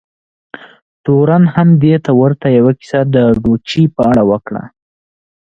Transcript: تورن هم دې ته ورته یوه کیسه د ډوچي په اړه وکړه.